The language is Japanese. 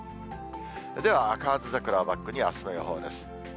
では河津桜をバックに、あすの予報です。